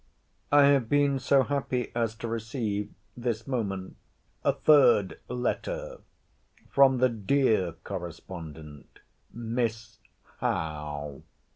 I have been so happy as to receive, this moment, a third letter from the dear correspondent Miss Howe.